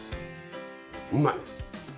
うまい。